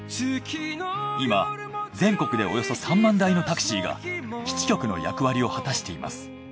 今全国でおよそ３万台のタクシーが基地局の役割を果たしています。